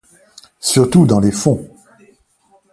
Surtout dans les fonds.